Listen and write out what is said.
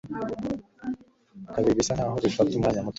kabiri bisa nkaho bifata umwanya muto